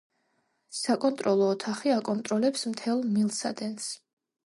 საკონტროლო ოთახი აკონტროლებს მთელ მილსადენს.